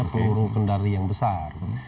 peluru kendari yang besar